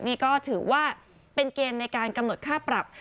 นี่ก็ถือว่าเป็นเกณฑ์ในการกำหนดค่าปรับ